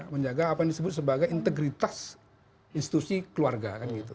menjaga apa yang disebut sebagai integritas institusi keluarga